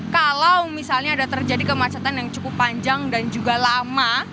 kalau misalnya ada terjadi kemacetan yang cukup panjang dan juga lama